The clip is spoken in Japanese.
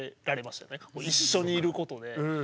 一緒にいることで。